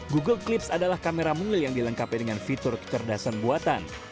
google clips adalah kamera mungil yang dilengkapi dengan fitur kecerdasan buatan